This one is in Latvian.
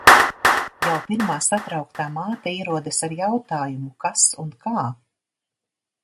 Jau pirmā satrauktā māte ierodas ar jautājumu, kas un kā.